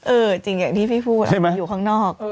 เออจริงอย่างที่พี่พูดอยู่ข้างนอก